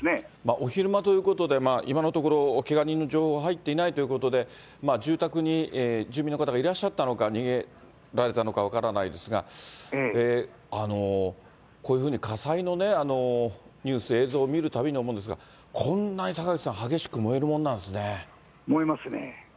お昼間ということで、今のところ、けが人の情報は入っていないということで、住宅に住民の方がいらっしゃったのか、逃げられたのか分からないですが、こういうふうに火災のニュース、映像を見るたびに思うんですが、こんなに坂口さん、燃えますね。